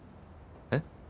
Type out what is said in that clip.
えっ？